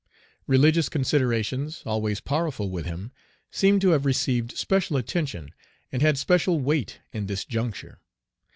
Religious considerations, always powerful with him, seem to have received special attention, and had special weight in this juncture.